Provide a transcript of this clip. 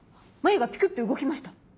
眉がピクって動きました。